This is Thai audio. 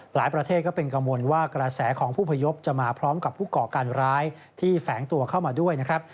หลายประเทศก็เป็นกังวลว่ากระแสของผู้พยพจะมาพร้อมกับผู้ก่อการร้ายที่แฝงตัวเข้ามาด้วยนะครับ